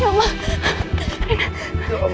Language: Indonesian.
ya allah mak